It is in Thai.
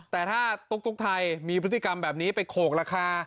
แต่ถ้าตุ๊กไทยมีพฤติกรรมแบบนี้ไปโขกราคา